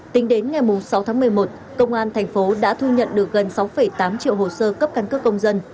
tính đến ngày sáu tháng một mươi một công an thành phố đã thu nhận được gần sáu tám triệu hồ sơ cấp căn cước công dân